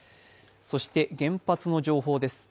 そして原発の情報です。